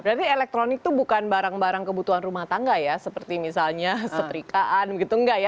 berarti elektronik itu bukan barang barang kebutuhan rumah tangga ya seperti misalnya setrikaan gitu enggak ya